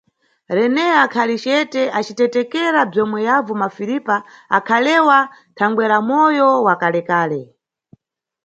Rene akhali cete acitetekera bzomwe yavu Mafiripa akhalewa thangwera moyo wa kalekale.